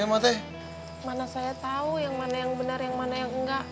mana saya tahu yang mana yang benar yang mana yang enggak